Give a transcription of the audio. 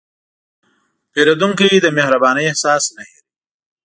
پیرودونکی د مهربانۍ احساس نه هېروي.